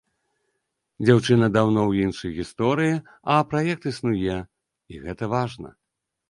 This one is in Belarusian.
Дзяўчына даўно ў іншай гісторыі, а праект існуе, і гэта важна.